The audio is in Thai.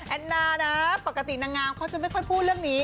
แอนนานะปกตินางงามเขาจะไม่ค่อยพูดเรื่องนี้